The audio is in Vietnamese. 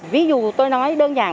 ví dụ tôi nói đơn giản